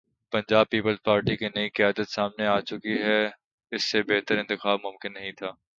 پنجاب پیپلزپارٹی کی نئی قیادت سامنے آ چکی اس سے بہتر انتخاب ممکن نہیں تھا۔